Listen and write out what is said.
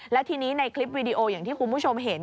แล้วทีนี้ในคลิปวีดีโออย่างที่คุณผู้ชมเห็น